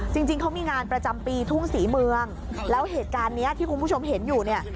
จริงจริงเขามีงานประจำปีทุ่งศรีเมืองแล้วเหตุการณ์เนี้ยที่คุณผู้ชมเห็นอยู่เนี่ย